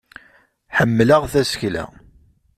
Ḥemmleɣ tasekla.